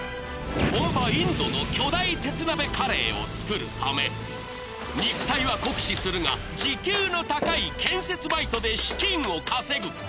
本場、インドの巨大鉄鍋カレーを作るため、肉体は酷使するが、時給の高い建設バイトで資金を稼ぐ。